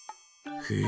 へえ。